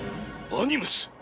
アニムス！